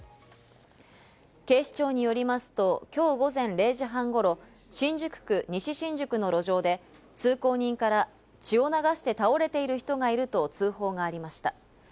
警視庁によりますと、今日午前０時半頃、新宿区西新宿の路上で、通行人から血を流して倒れている人がいると通報がありました。